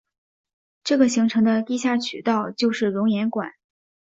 这个形成的地下渠道就是熔岩管。